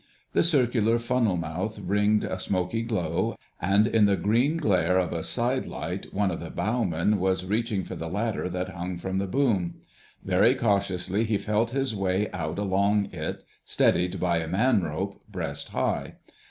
The circular funnel mouth ringed a smoky glow, and in the green glare of a side light one of the bowmen was reaching for the ladder that hung from the boom. Very cautiously he felt his way out along it steadied by a man rope, breast high.